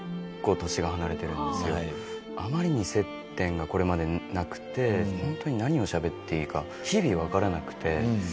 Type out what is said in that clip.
あまりに接点がこれまでなくてホントに何をしゃべっていいか日々わからなくて。